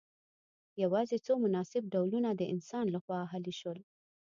یوازې څو مناسب ډولونه د انسان لخوا اهلي شول.